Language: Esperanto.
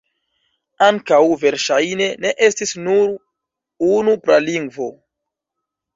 Ankaŭ verŝajne ne estis nur unu pralingvo.